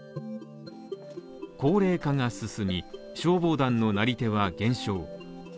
高齢化が進み、消防団のなり手は減少。